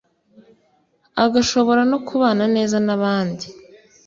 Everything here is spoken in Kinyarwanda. agashobora no kubana neza n’abandi.